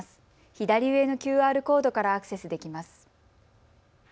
左上のＱＲコードからアクセスできます。